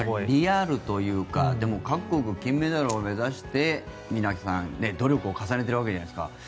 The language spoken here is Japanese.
リアルというかでも各国、金メダルを目指して皆さん、努力を重ねているわけじゃないですか。